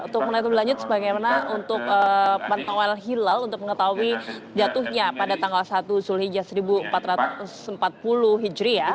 untuk menitulah lanjut bagaimana untuk pantauan hilal untuk mengetahui jatuhnya pada tanggal satu zulhijjah seribu empat ratus empat puluh